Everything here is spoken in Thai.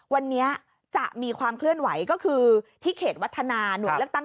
วันนี้จะมีความเคลื่อนไหวก็คือที่เขตวัฒนาหน่วยเลือกตั้ง